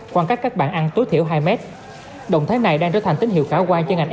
khoảng cách các bạn ăn tối thiểu hai m động thái này đang trở thành tín hiệu cảo quan cho ngành